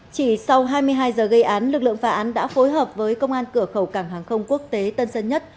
chỉ sau hai mươi hai giờ gây án lực lượng phá án đã phối hợp với công an cửa khẩu cảng hàng không quốc tế tân sơn nhất